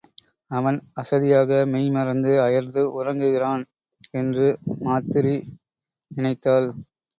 அவன் அசதியாக மெய் மறந்து அயர்ந்து உறங்குகிறான் என்று மாத்திரி நினைத்தாள்.